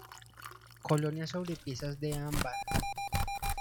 Colonias sobre piezas de ámbar.